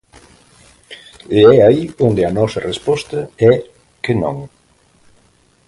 E é aí onde a nosa resposta é que non.